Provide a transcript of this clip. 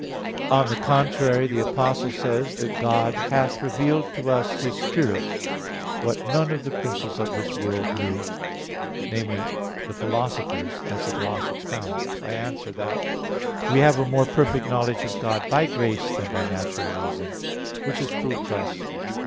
On the contrary, The Apostle says that "God hath revealed to us His spirit," what "none of the princes of this world knew" (1 Cor. 2:10), namely, the philosophers, as the gloss expounds. I answer that, We have a more perfect knowledge of God by grace than by natural reason. Which is proved thus.